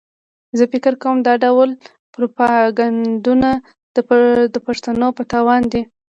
زه فکر کوم دا ډول پروپاګنډونه د پښتنو په تاوان دي.